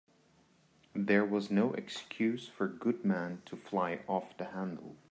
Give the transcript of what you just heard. There was no excuse for Goodman to fly off the handle.